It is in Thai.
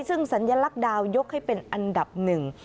ซึ่งสัญลักษณ์ดาวยกให้เป็นอันดับหนึ่ง